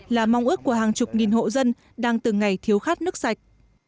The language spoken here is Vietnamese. là mong ước của hàng chục nghìn hộ dân đang từng ngày thiếu khát nước sạch